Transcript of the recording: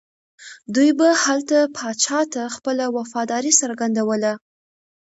دوی به هلته پاچا ته خپله وفاداري څرګندوله.